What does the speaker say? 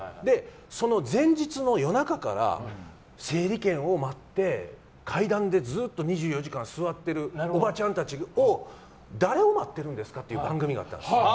その前日の夜中から整理券を待って階段でずっと２４時間座ってるおばちゃんたちを誰を待ってるんですかっていう番組があったんです。